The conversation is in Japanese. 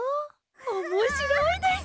おもしろいです！